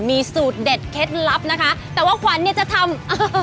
มีสูตรเด็ดเคล็ดลับนะคะแต่ว่าขวัญเนี่ยจะทำเออ